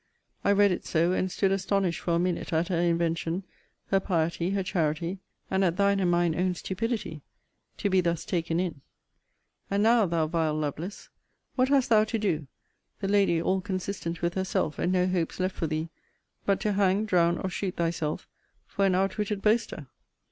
I read it so, and stood astonished for a minute at her invention, her piety, her charity, and at thine and mine own stupidity to be thus taken in. And now, thou vile Lovelace, what hast thou to do (the lady all consistent with herself, and no hopes left for thee) but to hang, drown, or shoot thyself, for an outwitted boaster?